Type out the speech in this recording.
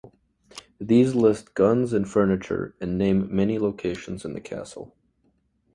These list guns and furniture and name many locations in the castle.